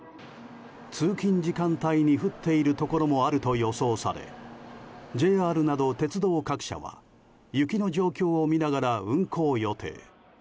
通勤時間帯に降っているところもあると予想されＪＲなど鉄道各社は雪の状況を見ながら運行予定。